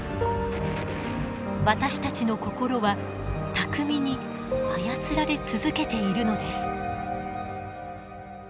私たちの心は巧みに操られ続けているのです。